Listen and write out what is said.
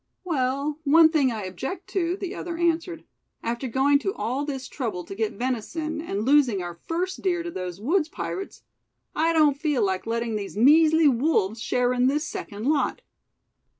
"Well, one thing I object to," the other answered; "after going to all this trouble to get venison, and losing our first deer to those woods' pirates, I don't feel like letting these measly wolves share in this second lot."